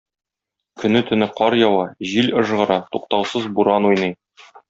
Көне-төне кар ява, җил ыжгыра, туктаусыз буран уйный...